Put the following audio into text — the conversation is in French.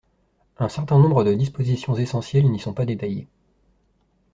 Un certain nombre de dispositions essentielles n’y sont pas détaillées.